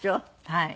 はい。